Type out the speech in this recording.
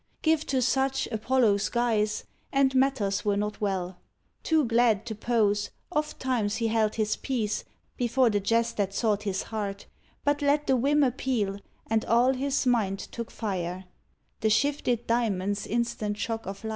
Give to such Apollo's guise, and matters were not well. Too glad to pose, ofttimes he held his peace Before the jest that sought his heart; but let The whim appeal, and all his mind took fire — The shifted diamond's instant shock of light.